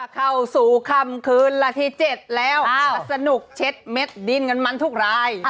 เข้าสู่คำคืนละที่๗แล้วสนุกเช็ดเม็ดดินกันมันทุกราย